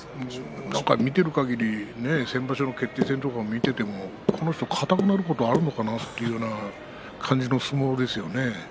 見ているかぎり先場所の決定戦とか見ていてもこの人かたくなることがあるのかなという感じの相撲ですよね。